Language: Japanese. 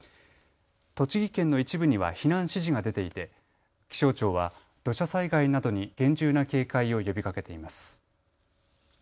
栃木県の一部には避難指示が出ていて気象庁は土砂災害などに厳重な警戒を呼びかけています。